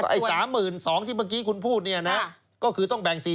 ไอ้๓๒๐๐ที่เมื่อกี้คุณพูดเนี่ยนะก็คือต้องแบ่ง๔๐